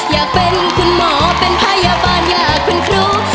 อยากเป็นคุณหมอเป็นพยาบาลอยากคุณครู